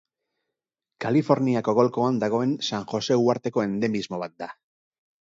Kaliforniako golkoan dagoen San Jose uharteko endemismo bat da.